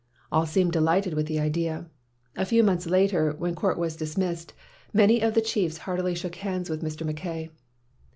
All seemed delighted with the idea. A few moments later, when court was dismissed, many of the chiefs heartily shook hands with Mr. Mackay.